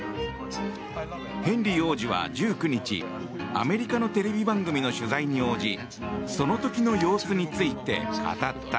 ヘンリー王子は１９日アメリカのテレビ番組の取材に応じその時の様子について語った。